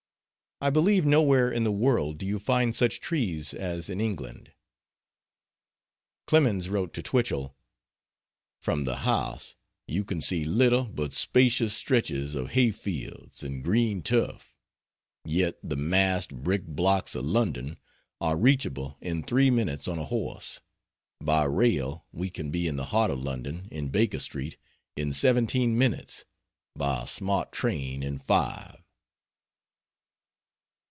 I believe nowhere in the world do you find such trees as in England." Clemens wrote to Twichell: "From the house you can see little but spacious stretches of hay fields and green turf..... Yet the massed, brick blocks of London are reachable in three minutes on a horse. By rail we can be in the heart of London, in Baker Street, in seventeen minutes by a smart train in five."